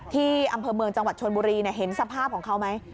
ที่อำเภอเมืองจังหวัดชนบุรีเห็นสภาพของเขาไหม